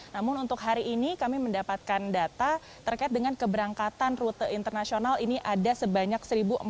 namun untuk hari ini kami mendapatkan data terkait dengan keberangkatan rute internasional ini ada sebanyak satu empat ratus